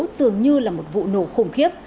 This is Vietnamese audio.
dường như là một vụ nổ khủng khiếp